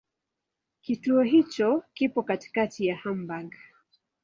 Kituo hicho kipo katikati ya Hamburg.